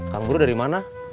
kang bro dari mana